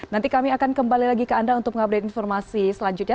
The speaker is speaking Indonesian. nanti kami akan kembali lagi ke anda untuk mengupdate informasi selanjutnya